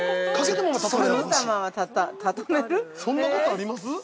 ◆そんなことあります？